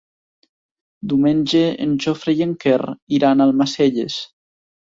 Diumenge en Jofre i en Quer iran a Almacelles.